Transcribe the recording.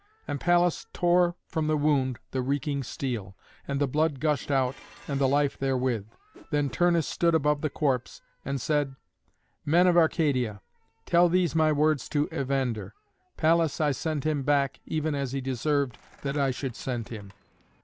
And Pallas tore from the wound the reeking steel, and the blood gushed out, and the life therewith. Then Turnus stood above the corpse, and said, "Men of Arcadia, tell these my words to Evander: 'Pallas I send him back, even as he deserved that I should send him.